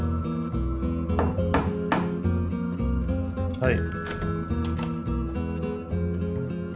はい。